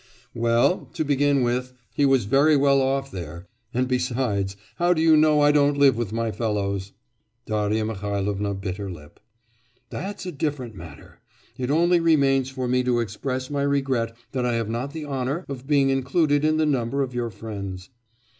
'Well, to begin with, he was very well off there, and besides, how do you know I don't live with my fellows?' Darya Mihailovna bit her lip. 'That's a different matter! It only remains for me to express my regret that I have not the honour of being included in the number of your friends.